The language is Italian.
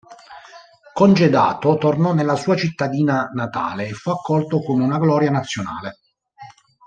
Congedato, tornò nella sua cittadina natale e fu accolto come una gloria nazionale.